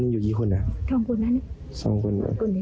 คืณไอฐาน